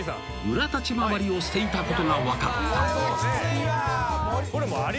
裏立ち回りをしていたことが分かった］